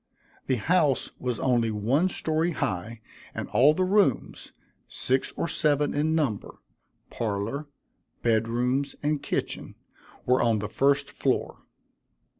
The house was only one story high, and all the rooms, six or seven in number, parlor, bed rooms, and kitchen, were on the first floor.